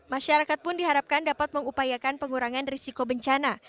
masyarakat pun diharapkan dapat mengupayakan pengurangan risiko bencana